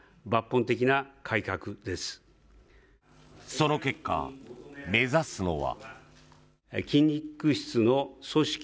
その結果、目指すのは。